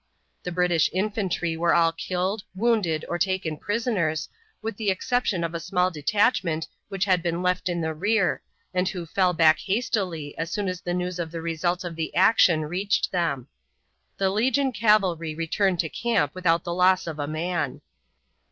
The British infantry were all killed, wounded, or taken prisoners, with the exception of a small detachment which had been left in the rear, and who fell back hastily as soon as the news of the result of the action reached them. The legion cavalry returned to camp without the loss of a man.